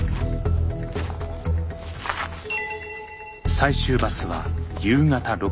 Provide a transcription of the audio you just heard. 最終バスは夕方６時。